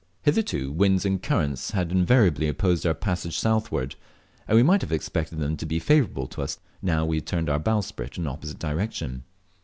Hitherto winds and currents load invariably opposed our passage southward, and we might have expected them to be favourable to us now we had turned our bowsprit in an opposite direction.